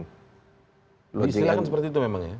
istilahnya seperti itu memang ya